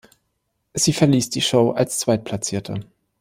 Sie verließ die Show als Zweitplatzierte.